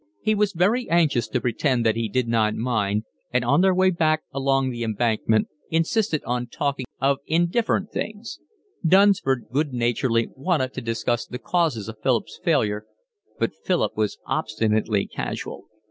He was very anxious to pretend he did not mind, and on their way back along The Embankment insisted on talking of indifferent things. Dunsford good naturedly wanted to discuss the causes of Philip's failure, but Philip was obstinately casual.